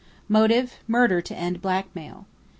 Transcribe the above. Motive: murder to end blackmail.